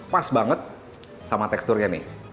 pas banget sama teksturnya nih